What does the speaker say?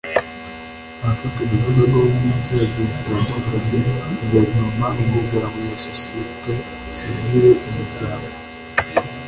Abafatanyabikorwa bo mu nzego zitandukanye Guverinoma imiryango ya sosiyete sivili imiryango